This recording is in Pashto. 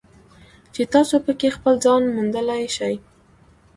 چې تاسو پکې خپل ځان موندلی شئ.